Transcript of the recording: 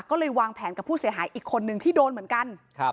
ก็เลยวางแผนกับผู้เสียหายอีกคนนึงที่โดนเหมือนกัน